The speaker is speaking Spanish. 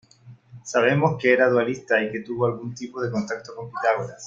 Sabemos que era dualista y que tuvo algún tipo de contacto con Pitágoras.